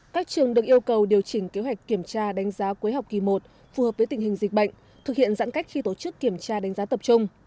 các trường được yêu cầu điều chỉnh kế hoạch kiểm tra đánh giá cuối học kỳ một phù hợp với tình hình dịch bệnh thực hiện giãn cách khi tổ chức kiểm tra đánh giá tập trung